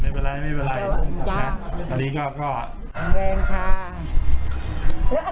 หัวใจด้วยรู้ใจพูดของคุณ